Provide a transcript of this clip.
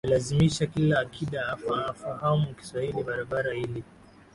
walilazimisha kila Akida afahamu Kiswahili barabara ili